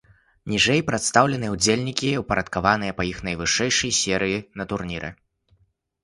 Ніжэй прадстаўленыя ўдзельнікі, упарадкаваныя па іх найвышэйшай серыі на турніры.